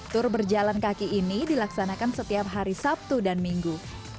tur berjalan kaki ini dilaksanakan setiap hari sabtu dan minggu